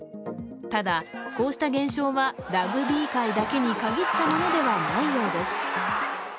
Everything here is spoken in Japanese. ただこうした現象はラグビー界に限ったものではないようです。